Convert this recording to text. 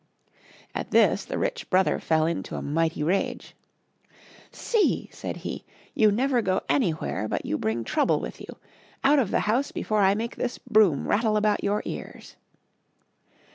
At this the rich brother fell into a mighty rage. " See ! said he, " you never go anywhere but you bring Trouble with you. Out of the house be fore I make this broom rattle about your ears